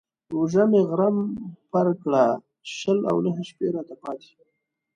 روژه مې غرم پر کړه شل او نهه شپې راته پاتې.